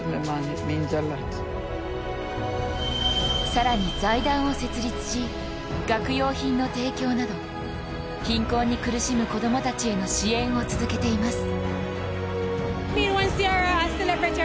更に、財団を設立し学用品の提供など貧困に苦しむ子供たちへの支援を続けています。